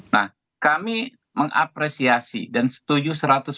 nah kami mengapresiasi dan setuju